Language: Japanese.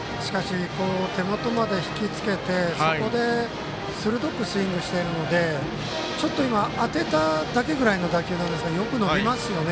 手元まで引きつけてそこで鋭くスイングしているのでちょっと当てただけぐらいの打球でしたがよく伸びますよね。